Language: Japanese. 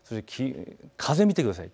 風を見てください。